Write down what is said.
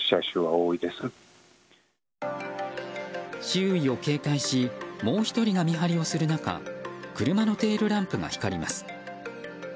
周囲を警戒しもう１人が見張りをする中車のテールランプが光ります。